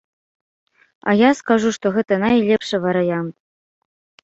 А я скажу, што гэта найлепшы варыянт.